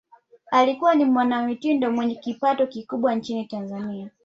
alikuwa ni mwanamitindo mwenye kipato kikubwa nchini tanzani